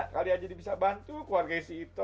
kali aja dia bisa bantu keluarga si ito